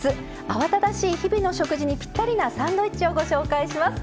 慌ただしい日々の食事にぴったりなサンドイッチをご紹介します。